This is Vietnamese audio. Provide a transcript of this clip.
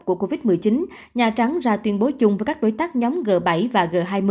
của covid một mươi chín nhà trắng ra tuyên bố chung với các đối tác nhóm g bảy và g hai mươi